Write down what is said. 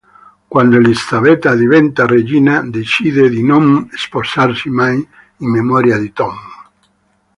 Quando Elisabetta diventa regina, decide di non sposarsi mai in memoria di Tom.